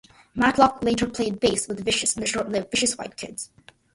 Matlock later played bass with Vicious in the short-lived band Vicious White Kids.